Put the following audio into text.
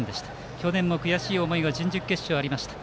去年も悔しい思いが準々決勝でありました。